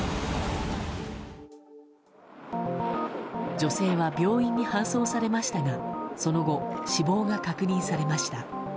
女性は病院に搬送されましたがその後、死亡が確認されました。